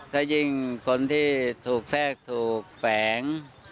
ถ้ายิ่งคนที่ถูกแทรกถูกแฝง